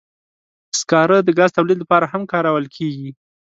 سکاره د ګاز تولید لپاره هم کارول کېږي.